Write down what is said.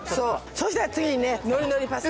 そしたら次にねのりのりパスタ